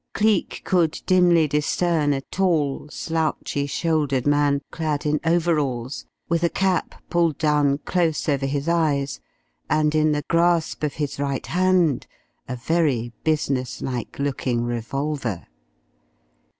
Cleek could dimly discern a tall, slouchy shouldered man, clad in overalls, with a cap pulled down close over his eyes, and in the grasp of his right hand a very businesslike looking revolver.